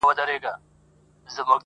• د خوشحال پر لار چي نه درومي پښتونه..